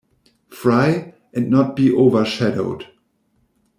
Fry, and not be overshadowed.